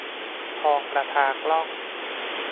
ทองประทากล้อง